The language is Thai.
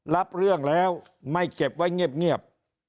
รับเรื่องแล้วไม่เก็บไว้เงียบ